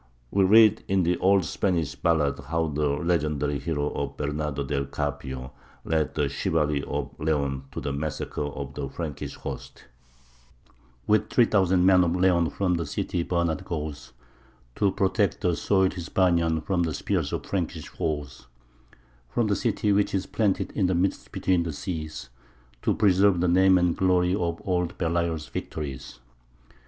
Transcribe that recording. We read in the old Spanish ballad how the legendary hero Bernardo del Carpio led the chivalry of Leon to the massacre of the Frankish host: With three thousand men of Leon from the city Bernard goes, To protect the soil Hispanian from the spear of Frankish foes; From the city which is planted in the midst between the seas, To preserve the name and glory of old Pelayo's victories.